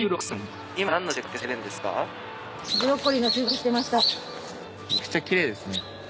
めちゃくちゃきれいですね。